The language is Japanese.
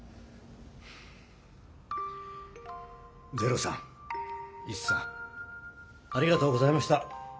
ゼロさんイチさんありがとうございました。